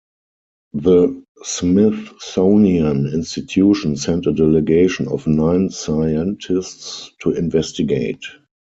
The Smithsonian Institution sent a delegation of nine scientists to investigate.